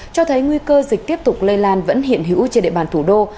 cho thấy nguy cơ dịch tiếp tục lây lan vẫn hiện hữu trên địa bàn thủ đô